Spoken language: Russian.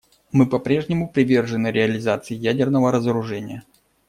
Мы по-прежнему привержены реализации ядерного разоружения.